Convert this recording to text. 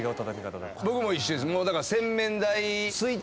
僕も一緒です。